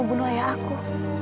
membunuh ayah aku